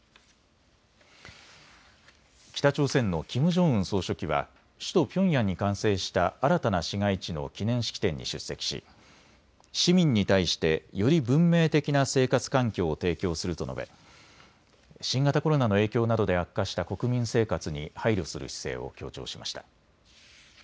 北朝鮮のキム・ジョンウン総書記は首都ピョンヤンに完成した新たな市街地の記念式典に出席し市民に対して、より文明的な生活環境を提供すると述べ新型コロナの影響などで悪化した国民生活に配慮する姿勢を強調しました。